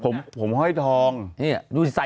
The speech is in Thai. ผมห้อยทองเห้ยดูสายใหญ่กว่าฉันอ่ะคุณหมายถาม